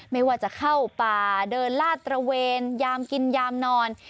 ไม่ว่าจะเข้าป่าเดินลาดตระเวนยามกินยามนอน